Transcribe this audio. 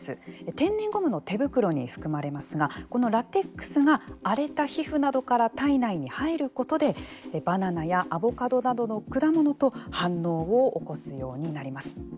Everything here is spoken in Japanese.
天然ゴムの手袋に含まれますがこのラテックスが荒れた皮膚などから体内に入ることでバナナやアボカドなどの果物と反応を起こすようになります。